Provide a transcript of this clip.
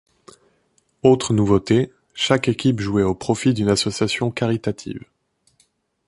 Autre nouveauté, chaque équipe jouait au profit d'une association caritative.